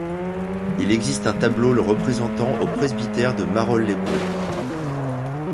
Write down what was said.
Il existe un tableau le représentant au presbytère de Marolles-les-Braults.